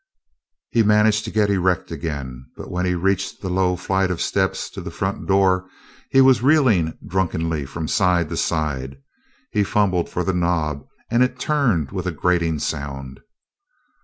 He managed to get erect again, but when he reached the low flight of steps to the front door he was reeling drunkenly from side to side. He fumbled for the knob, and it turned with a grating sound.